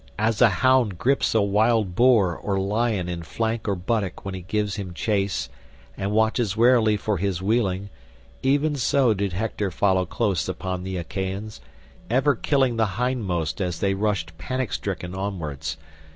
As a hound grips a wild boar or lion in flank or buttock when he gives him chase, and watches warily for his wheeling, even so did Hector follow close upon the Achaeans, ever killing the hindmost as they rushed panic stricken onwards.